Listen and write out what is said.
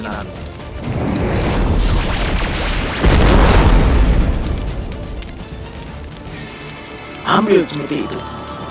kau harus memilih tempat untuk hidup